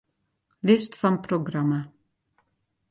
List fan programma.